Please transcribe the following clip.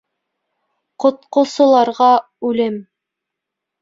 — Ҡотҡосоларға үлем!!!